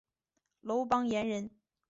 楼邦彦人。